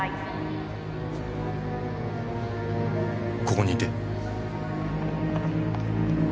ここにいて。